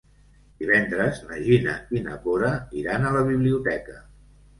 Divendres na Gina i na Cora iran a la biblioteca.